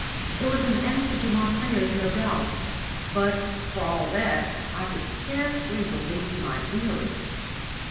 It was an answer to my prayers, no doubt. But for all that I could scarcely believe my ears.